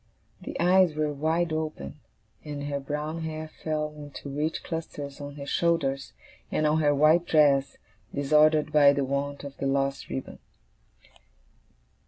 The eyes were wide open, and her brown hair fell in two rich clusters on her shoulders, and on her white dress, disordered by the want of the lost ribbon.